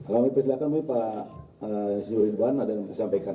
kami persilahkan mungkin pak insinyur ridwan ada yang mau disampaikan